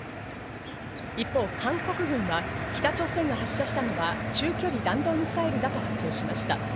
一方、韓国軍は北朝鮮が発射したのは中距離弾道ミサイルだと発表しました。